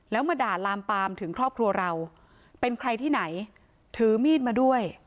แล้วมาด่าลามปามถึงครอบครัวเราเป็นใครที่ไหนถือมีดมาด้วย